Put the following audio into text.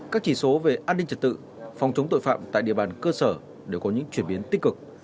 các chỉ số về an ninh trật tự phòng chống tội phạm tại địa bàn cơ sở đều có những chuyển biến tích cực